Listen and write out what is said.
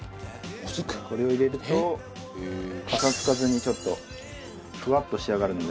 これを入れるとパサつかずにちょっとふわっと仕上がるので。